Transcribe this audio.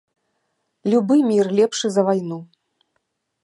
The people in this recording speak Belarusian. Любы мір лепшы за вайну.